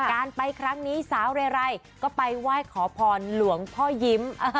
การไปครั้งนี้สาวเรไรก็ไปไหว้ขอพรหลวงพ่อยิ้ม